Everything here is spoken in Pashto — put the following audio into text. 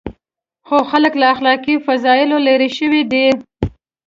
خو خلک له اخلاقي فضایلو لرې شوي دي.